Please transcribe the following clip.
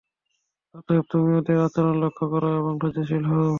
অতএব, তুমি ওদের আচরণ লক্ষ্য কর এবং ধৈর্যশীল হও।